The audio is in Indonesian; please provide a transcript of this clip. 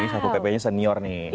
ini satpol pp nya senior nih